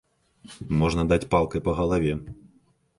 Можна даць палкай па галаве.